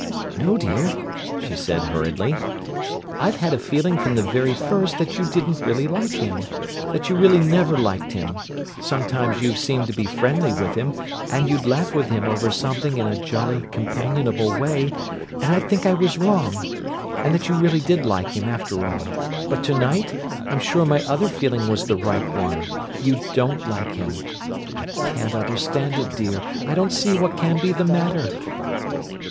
"No, dear," she said hurriedly. "I've had a feeling from the very first that you didn't really like him—that you really never liked him. Sometimes you've seemed to be friendly with him, and you'd laugh with him over something in a jolly, companionable way, and I'd think I was wrong, and that you really did like him, after all; but to night I'm sure my other feeling was the right one: you don't like him. I can't understand it, dear; I don't see what can be the matter."